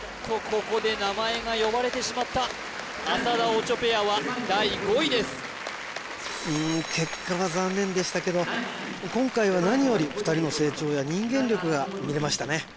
ここで名前が呼ばれてしまった浅田・オチョペアは第５位ですうん結果は残念でしたけど今回は何より２人の成長や人間力が見れましたね